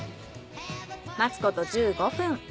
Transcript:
待つこと１５分。